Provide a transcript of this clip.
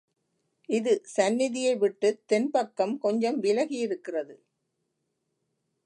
இது சந்நிதியை விட்டுத் தென் பக்கம் கொஞ்சம் விலகியிருக்கிறது.